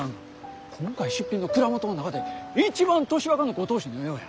今回出品の蔵元の中で一番年若のご当主のようや。